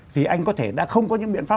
thì anh có thể đã không có những biện pháp